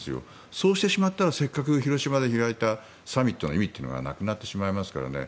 そうしてしまったらせっかく広島で開いたサミットの意味がなくなってしまいますからね。